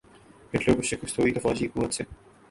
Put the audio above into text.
Hitler کو شکست ہوئی تو فوجی قوت سے۔